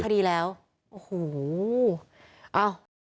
๓คดีแล้วโอ้โห